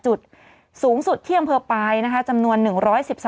๓จุดความร้อนสูงสุดเที่ยงเพลิบปลายจำนวน๑๑๒จุด